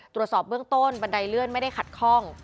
ตรวจสอบเบื้องต้นบันไดเลื่อนไม่ได้ขัดข้อง